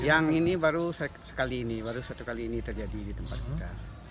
yang ini baru sekali ini baru satu kali ini terjadi di tempat kita